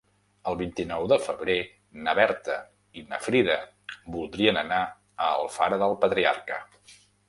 El vint-i-nou de febrer na Berta i na Frida voldrien anar a Alfara del Patriarca.